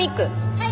はい。